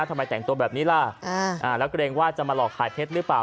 ทำไมแต่งตัวแบบนี้ล่ะแล้วเกรงว่าจะมาหลอกขายเพชรหรือเปล่า